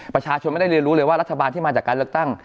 ประชาชนไม่ได้เรียนรู้เลยว่ารัฐบาลที่มาจากการเลือกตั้ง